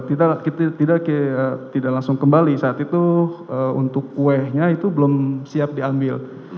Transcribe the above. tidak langsung kembali saat itu untuk kuenya itu belum siap diambil